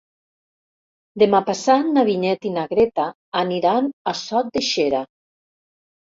Demà passat na Vinyet i na Greta aniran a Sot de Xera.